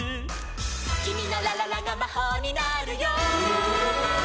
「きみのラララがまほうになるよ」